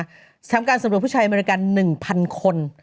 ที่ทำเป็นการสำรวจผู้ชายแมรกัน๑๐๐๐คน